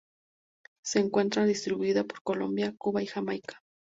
Se encuentra distribuida por Colombia, Cuba y Jamaica.